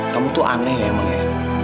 kamu tuh aneh emang ya